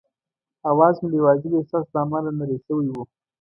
اواز مې د یوه عجيبه احساس له امله نری شوی وو.